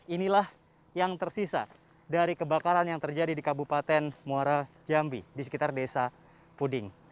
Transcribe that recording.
inilah yang tersisa dari kebakaran yang terjadi di kabupaten muara jambi di sekitar desa puding